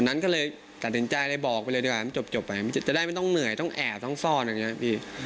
นั้นก็เลยตัดสินใจเลยบอกไปเลยดีกว่ามันจบไปมันจะได้ไม่ต้องเหนื่อยต้องแอบต้องซ่อนอย่างนี้พี่